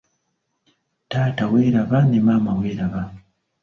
Taata weeraba ne maama weeraba.